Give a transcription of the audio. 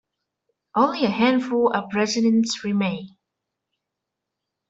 Only a handful of residents remain.